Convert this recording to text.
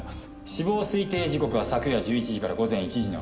死亡推定時刻は昨夜１１時から午前１時の間。